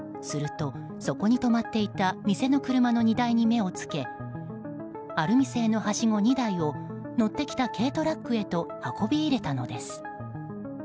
すると、そこに止まっていた店の車の荷台に目をつけアルミ製のはしご２台を乗ってきた軽トラックへと運び入れたのです。